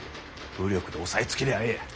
武力で抑えつけりゃええ。